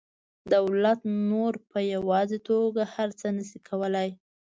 دولت نور په یوازې توګه هر څه نشي کولی